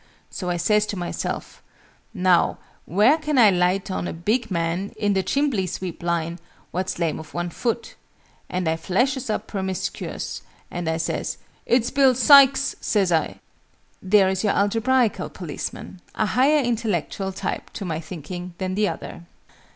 So I says to myself 'Now where can I light on a big man, in the chimbley sweep line, what's lame of one foot?' And I flashes up permiscuous: and I says 'It's Bill Sykes!' says I." There is your Algebraical policeman a higher intellectual type, to my thinking, than the other.